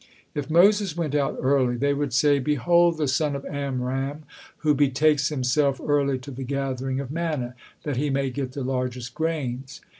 If Moses went out early, they would say: "Behold the son of Amram, who betakes himself early to the gathering of manna, that he may get the largest grains."